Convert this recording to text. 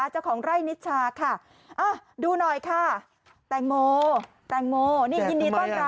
เจ้าของไร่นิชาค่ะดูหน่อยค่ะแตงโมแตงโมนี่ยินดีต้อนรับ